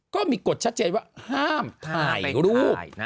ก็มีกฎชัดเจนว่าห้ามถ่ายรูป